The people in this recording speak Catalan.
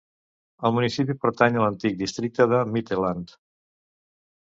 El municipi pertany a l'antic districte de Mittelland.